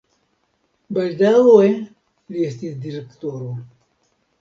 Baldaŭe li estis direktoro.